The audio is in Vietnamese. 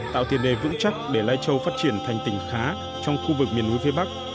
tạo tiền đề vững chắc để lai châu phát triển thành tỉnh khá trong khu vực miền núi phía bắc